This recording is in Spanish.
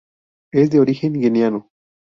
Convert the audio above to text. Es de origen guineano.